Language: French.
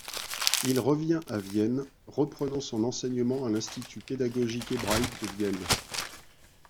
Il revient à Vienne, reprenant son enseignement à l'Institut pédagogique hébraïque de Vienne.